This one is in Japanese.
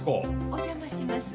お邪魔します。